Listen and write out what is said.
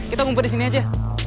kita ngumpet disini aja